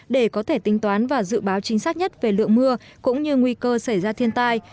để có thể tính toán và dự báo chính xác nhất về lượng mưa cũng như nguy cơ xảy ra thiên tai